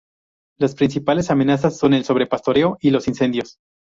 Las principales amenazas son el sobrepastoreo y los incendios.